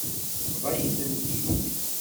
Tebḍa-yi-tent-id.